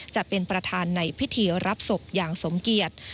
จะเป็นประธานในพิธีรับศพอย่างสมเกียจ